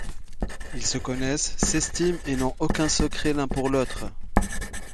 Ils se connaissent, s’estiment et n'ont aucun secret l’un pour l’autre.